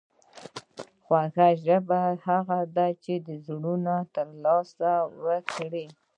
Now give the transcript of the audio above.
خوږه ژبه هغه ده چې زړونو ته لار وکړي.